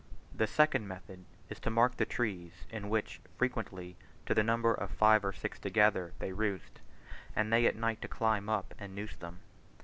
The second method is to mark the trees in which, frequently to the number of five or six together, they roost, and they at night to climb up and noose them.